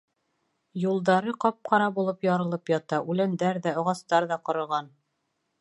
Юлдары ҡап-ҡара булып ярылып ята: үләндәр ҙә, ағастар ҙа ҡороған.